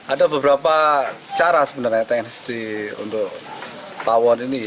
ada beberapa cara sebenarnya teknis untuk tawon ini